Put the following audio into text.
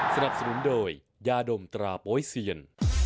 สนับสนุนโดยยาดมตราโป๊ยเซียน